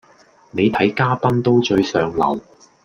你睇嘉賓都最上流